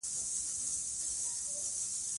زه د خپلي ټولني د پرمختګ لپاره کار کوم.